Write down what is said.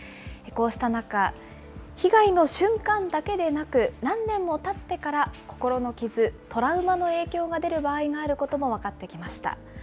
こうした中、被害の瞬間だけでなく、何年もたってから心の傷・トラウマの影響が出る場合があることも分かってきました。